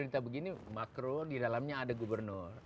kalau kita begini makro di dalamnya ada gubernur